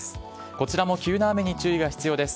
こちらも急な雨に注意が必要です。